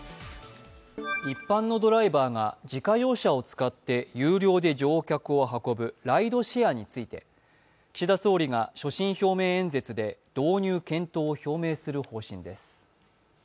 一般のドライバーが自家用車を使って有料で乗客を運ぶライドシェアについて、岸田総理が所信表明演説で導入検討を表明する方針です。